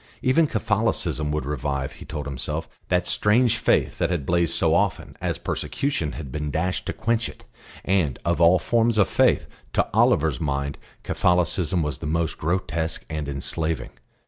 Even Catholicism would revive, he told himself, that strange faith that had blazed so often as persecution had been dashed to quench it; and, of all forms of faith, to Oliver's mind Catholicism was the most grotesque and enslaving.